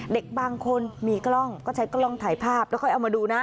เด็กบางคนมีกล้องก็ใช้กล้องถ่ายภาพแล้วค่อยเอามาดูนะ